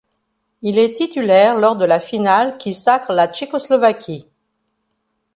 Il est titulaire lors de la finale qui sacre la Tchécoslovaquie.